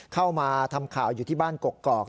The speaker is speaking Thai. เข้ามาทำข่าวอยู่ที่บ้านกกอก